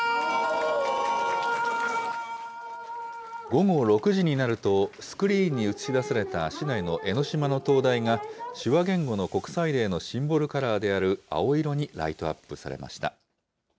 午後６時になると、スクリーンに映し出された市内の江の島の灯台が、手話言語の国際デーのシンボルカラーである青色にライトアップされました。